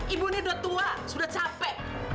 ibu ini udah tua sudah capek